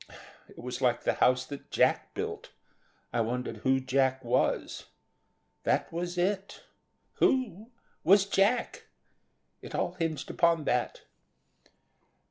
It was like the house that Jack built; I wondered who Jack was. That was it, who was Jack? It all hinged upon that.